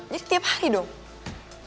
jadi tiap hari dong